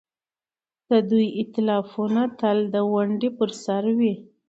د دوی ائتلافونه تل د ونډې پر سر وي.